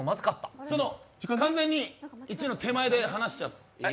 完全に１の手前で離しちゃった？